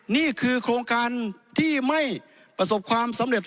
นี่คือโครงการที่ไม่ประสบความสำเร็จ